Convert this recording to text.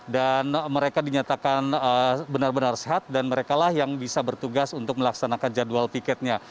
dan mereka dinyatakan benar benar sehat dan mereka lah yang bisa bertugas untuk melaksanakan jadwal piketnya